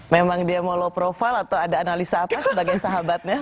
memang dia mau low profile atau ada analisa apa sebagai sahabatnya